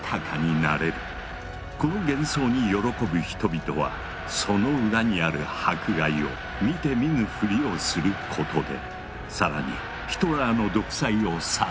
この幻想に喜ぶ人々はその裏にある迫害を見て見ぬふりをすることで更にヒトラーの独裁を支えていったのだ。